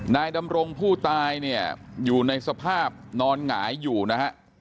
นายดำรงผู้ตายเนี่ยอยู่ในสภาพนอนหงายอยู่นะฮะ